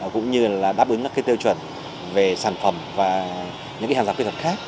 cũng như đáp ứng các tiêu chuẩn về sản phẩm và những hàng giảm kỹ thuật khác